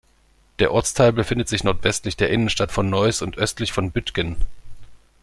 Der Ortsteil befindet sich nordwestlich der Innenstadt von Neuss und östlich von Büttgen.